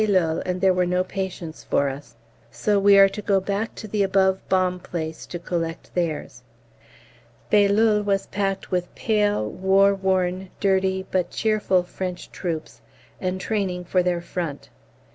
and there were no patients for us, so we are to go back to the above bomb place to collect theirs. B. was packed with pale, war worn, dirty but cheerful French troops entraining for their Front.